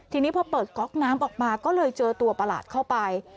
ทีนี้พอเปิดก๊อกน้ำออกมาก็เลยเจอตัวประหลาดเข้าไป